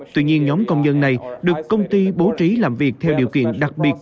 tuy nhiên nhóm công nhân này được công ty bố trí làm việc theo điều kiện đặc biệt